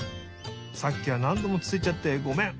さっきはなんどもつついちゃってごめん！